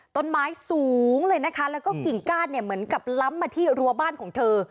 ต้นไม้สูงเลยนะคะแล้วก็กิ่งก้านเนี่ยเหมือนกับล้ำมาที่รั้วบ้านของเธอ